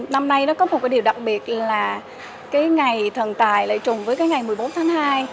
năm nay có một điều đặc biệt là ngày thần tài lại trùng với ngày một mươi bốn tháng hai